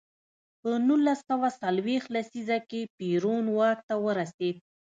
په نولس سوه څلویښت لسیزه کې پېرون واک ته ورسېد.